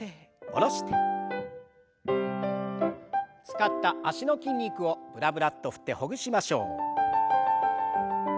使った脚の筋肉をブラブラッと振ってほぐしましょう。